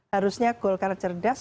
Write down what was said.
harusnya golkar cerdas